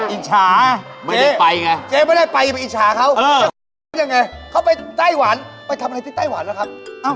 อิตชาเจ๊ไม่ได้ไปอิตชาเขาเข้าไปไต้หวานไปทำอะไรไปไต้หวานล่ะครับ